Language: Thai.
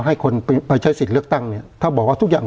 ให้คนไปใช้สิทธิ์เลือกตั้งเนี่ยถ้าบอกว่าทุกอย่าง